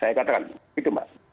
saya katakan gitu mbak